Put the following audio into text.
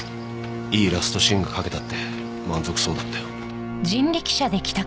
いいラストシーンが書けたって満足そうだったよ。